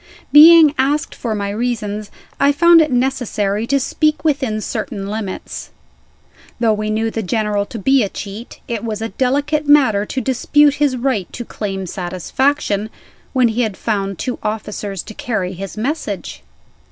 Being asked for my reasons, I found it necessary to speak within certain limits. Though we knew the General to be a cheat, it was a delicate matter to dispute his right to claim satisfaction, when he had found two officers to carry his message.